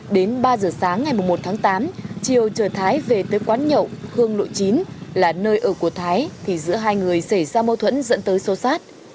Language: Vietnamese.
đến ba giờ sáng ngày một tháng tám triều chở thái về tới quán nhậu hương lộ chín là nơi ở của thái thì giữa hai người xảy ra mâu thuẫn dẫn tới sô sát